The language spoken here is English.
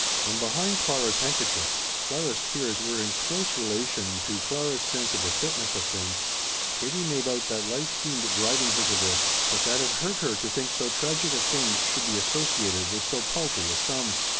From behind Clara's handkerchief Clara's tears were in close relation to Clara's sense of the fitness of things Katie made out that life seemed driving her to this, but that it hurt her to think so tragic a thing should be associated with so paltry a sum.